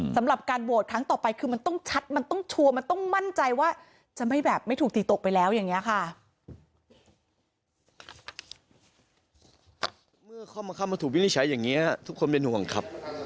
สำหรับการโหวตครั้งต่อไปคือมันต้องชัดมันต้องชัวร์มันต้องมั่นใจว่าจะไม่แบบไม่ถูกตีตกไปแล้วอย่างนี้ค่ะ